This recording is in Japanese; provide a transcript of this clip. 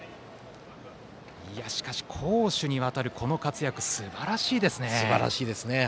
しかし、攻守にわたるこの活躍すばらしいですね。